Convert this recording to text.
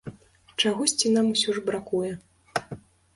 Чагосьці нам усё ж бракуе.